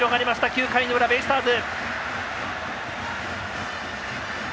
９回の裏ベイスターズ。